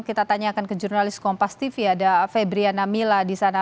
kita tanyakan ke jurnalis kompas tv ada febriana mila di sana